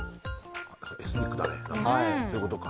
エスニックだねそういうことか。